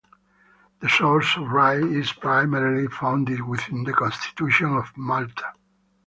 The source of rights is primarily founded within the Constitution of Malta.